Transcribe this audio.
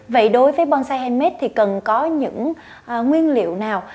vậy đối với bonsai handmade thì cần có những nguyên liệu nào